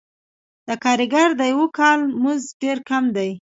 د کارګر د یوه کال مزد ډېر کم دی